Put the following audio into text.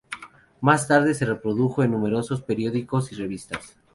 Más tarde se reprodujo en numerosos periódicos y revistas.